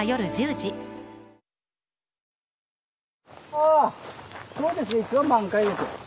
あそうですね一番満開です。